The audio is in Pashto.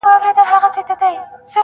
داسي محراب غواړم، داسي محراب راکه